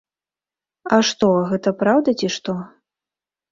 А што, гэта праўда, ці што?